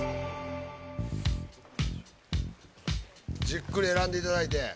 じっくり選んでいただいて。